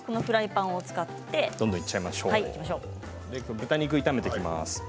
豚肉を炒めていきます。